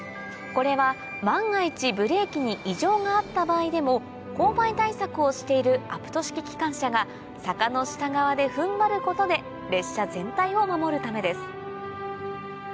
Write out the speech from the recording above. これは万が一ブレーキに異常があった場合でも勾配対策をしているアプト式機関車が坂の下側で踏ん張ることで列車全体を守るためです